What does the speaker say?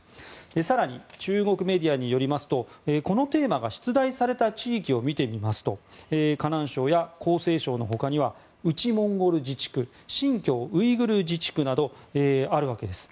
更に、中国メディアによりますとこのテーマが出題された地域を見てみますと河南省や江西省の他には内モンゴル自治区新疆ウイグル自治区などです。